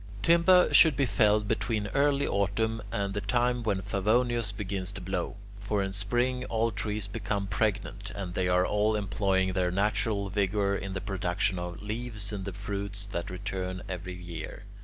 Timber should be felled between early Autumn and the time when Favonius begins to blow. For in Spring all trees become pregnant, and they are all employing their natural vigour in the production of leaves and of the fruits that return every year.